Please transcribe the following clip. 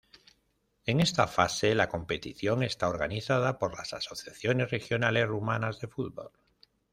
En esta fase la competición está organizada por las asociaciones regionales rumanas de fútbol.